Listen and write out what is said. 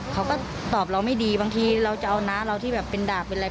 เขาก็ตอบเราไม่ดีบางทีเราจะเอาน้าเราที่แบบเป็นดาบเป็นอะไร